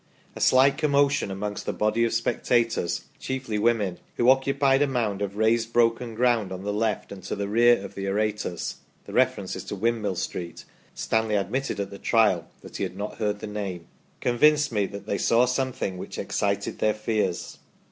A slight commotion amongst a body of spectators, chiefly women, who occupied a mound of raised broken ground on the left and to the rear of the orators [the reference is to Windmill Street ; Stanley admitted at the Trial that he had not heard the name], convinced me that they saw something which ex CHARGE OF THE MANCHESTER YEOMANRY 29 cited their fears.